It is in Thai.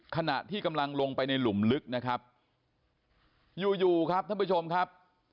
ขณะที่กำลังลงไปในหลุมลึกนะครับอยู่อยู่ครับท่านผู้ชมครับ